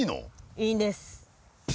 いいんです。